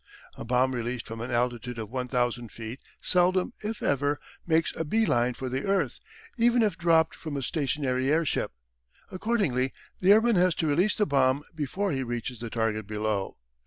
A bomb released from an altitude of 1000 feet seldom, if ever, makes a bee line for the earth, even if dropped from a stationary airship. Accordingly, the airman has to release the bomb before he reaches the target below.